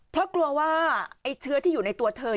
เพราะกลัวว่าไอ้เชื้อที่อยู่ในตัวเธอ